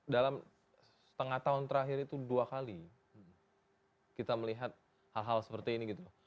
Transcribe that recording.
dalam setengah tahun terakhir itu dua kali kita melihat hal hal seperti ini gitu loh